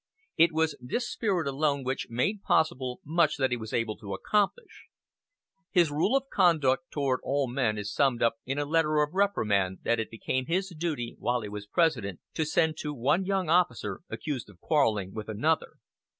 It was this spirit alone which made possible much that he was able to accomplish. His rule of conduct toward all men is summed up in a letter of reprimand that it became his duty, while he was President, to send to one young officer accused of quarreling with another.